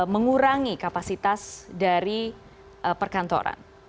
mengurangi kapasitas dari perkantoran